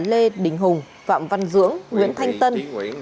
lê đình hùng phạm văn dưỡng nguyễn thanh tân